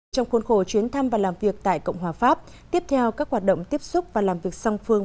trong khuôn khổ chuyến thăm và làm việc tại cộng hòa pháp tiếp theo các hoạt động tiếp xúc và làm việc song phương